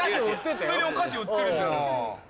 普通にお菓子を売ってるしな。